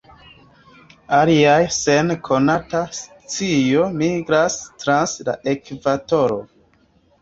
Aliaj sen konata scio migras trans la Ekvatoro.